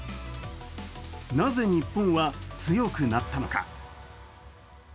なぜ日本は強くなったのか。